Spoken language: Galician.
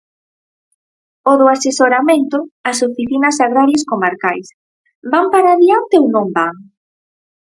O do asesoramento, as oficinas agrarias comarcais: ¿van para diante ou non van?